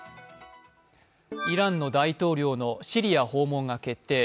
イランの大統領のシリア訪問が決定。